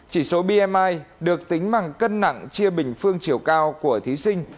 chỉ số bi được tính bằng cân nặng chia bình phương chiều cao của thí sinh